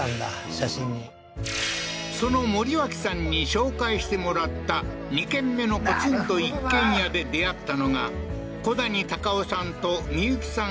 写真にその森脇さんに紹介してもらった２軒目のポツンと一軒家で出会ったのが古谷隆雄さんとみゆきさん